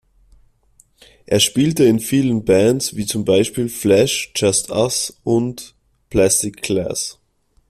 Er spielte in vielen Bands wie zum Beispiel "Flash", "Just Us" und "Plastic Glass".